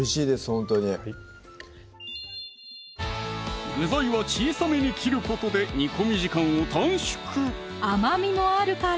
ほんとに具材は小さめに切ることで煮込み時間を短縮甘みもあるから